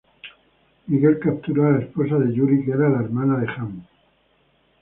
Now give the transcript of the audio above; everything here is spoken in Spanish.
Miguel capturó a la esposa de Yuri, que era la hermana del jan.